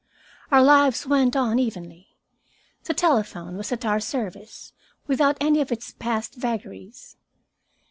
Our lives went on evenly. The telephone was at our service, without any of its past vagaries.